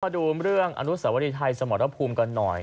มาดูเรื่องอนุสวรีไทยสมรภูมิกันหน่อย